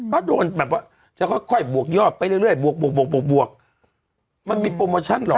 ก็โดนแบบว่าจะค่อยบวกยอดไปเรื่อยบวกมันมีโปรโมชั่นหรอก